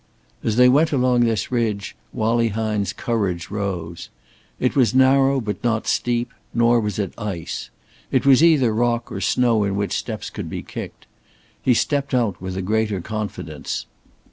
As they went along this ridge, Wallie Hine's courage rose. It was narrow but not steep, nor was it ice. It was either rock or snow in which steps could be kicked. He stepped out with a greater confidence.